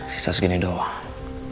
sias ini doang